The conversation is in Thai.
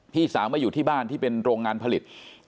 พี่สาวมาอยู่ที่บ้านที่เป็นโรงงานผลิต